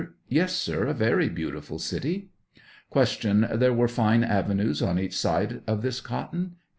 Yes, sir, a very beautiful city. Q. There were fine avenues on each side of this cotton